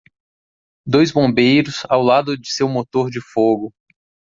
Dois bombeiros ao lado de seu motor de fogo.